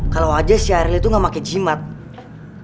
kalo aja si aryli tuh gak pake jimat ya